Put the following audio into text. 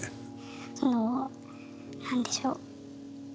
そのなんでしょう。